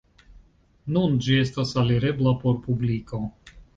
Nun ĝi estas alirebla por publiko.